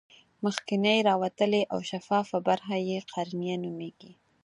مخکینۍ راوتلې او شفافه برخه یې قرنیه نومیږي.